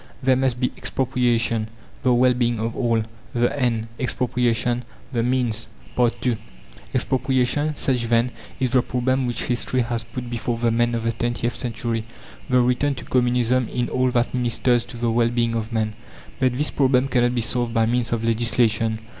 There must be EXPROPRIATION. The well being of all the end; expropriation the means. II Expropriation, such then is the problem which History has put before the men of the twentieth century: the return to Communism in all that ministers to the well being of man. But this problem cannot be solved by means of legislation.